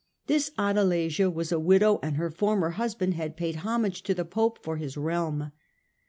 This Adelasia was a widow, and her former husband had paid homage to the Pope for his realm.